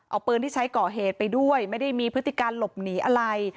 เอาปืนที่ใช้ก่อเหตุไปด้วยไม่ได้มีพฤติการหลบหนีอะไร